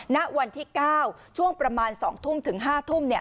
ณวันที่๙ช่วงประมาณ๒ทุ่มถึง๕ทุ่ม